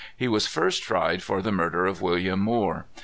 He was first tried for the murder of William Moore.